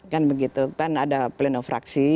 kan begitu kan ada pleno fraksi